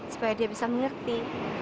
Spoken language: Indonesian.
supaya dia bisa mengerti